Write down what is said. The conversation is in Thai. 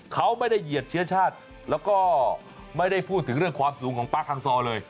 เขาไม่ได้เหยียดเชื้อชาติแล้วก็ไม่ได้พูดถึงเรื่องความสูงของป๊าฮังซอเลย